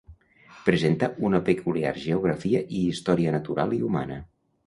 Presenta una peculiar geografia i història natural i humana.